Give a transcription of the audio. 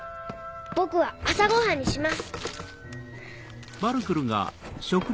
僕は朝ごはんにします。